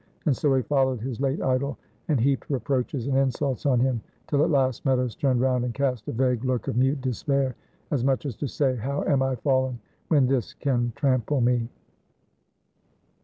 and so he followed his late idol and heaped reproaches and insults on him, till at last Meadows turned round and cast a vague look of mute despair, as much as to say, "How am I fallen, when this can trample me!"